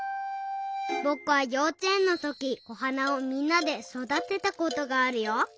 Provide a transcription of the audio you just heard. ぼくはようちえんのときおはなをみんなでそだてたことがあるよ。